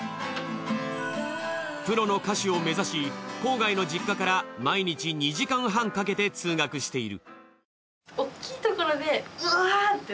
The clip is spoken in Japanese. プロの歌手を目指し郊外の実家から毎日２時間半かけて通学している。